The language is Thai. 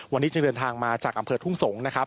วันนี้ทางเดินทางมาจากอำเภอธุรกิจทุ่งสงนะครับ